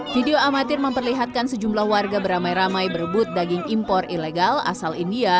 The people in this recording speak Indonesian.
video amatir memperlihatkan sejumlah warga beramai ramai berebut daging impor ilegal asal india